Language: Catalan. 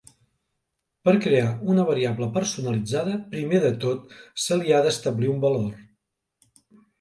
Per crear una variable personalitzada, primer de tot se li ha d'establir un valor.